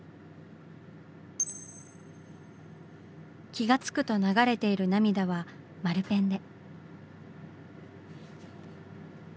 気がつくと流れている涙は丸ペンで。